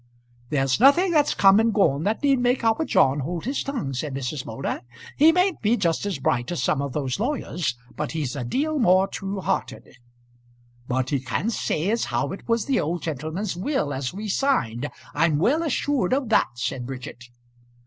"There's nothing that's come and gone that need make our John hold his tongue," said Mrs. Moulder. "He mayn't be just as bright as some of those lawyers, but he's a deal more true hearted." "But he can't say as how it was the old gentleman's will as we signed. I'm well assured of that," said Bridget.